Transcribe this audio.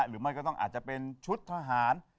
หรือไม่ก็ต้องอาจจะเป็นชุดทหาร